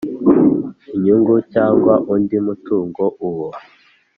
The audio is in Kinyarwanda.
inyungu cyangwa undi mutungo uwo